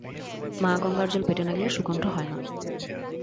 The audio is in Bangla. মা-গঙ্গার জল পেটে না গেলে সুকণ্ঠ হয় না।